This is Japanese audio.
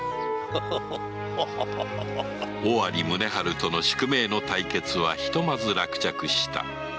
尾張吉宗との宿命の対決はひとまず落着した